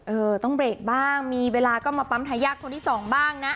เออต้องเบรกบ้างมีเวลาก็มาปั๊มทายาทคนที่สองบ้างนะ